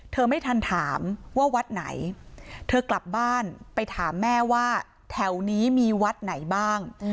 เธอไม่ทันถามว่าวัดไหนเธอกลับบ้านไปถามแม่ว่าแถวนี้มีวัดไหนบ้าง